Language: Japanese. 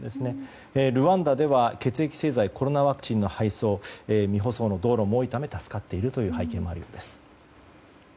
ルワンダでは血液製剤、コロナワクチンの配送未舗装の道路も多いため助かっているという背景もあるようです。